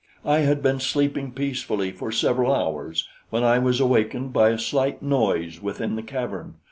"I had been sleeping peacefully for several hours when I was awakened by a slight noise within the cavern.